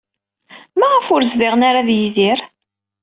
Maɣef ur zdiɣent ara ed Yidir?